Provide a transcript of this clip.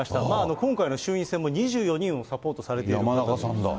今回の衆院選も２４人をサポート山中さんだ。